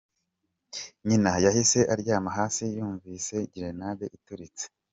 Nyina yahise aryama hasi yumvise grenade ituritse.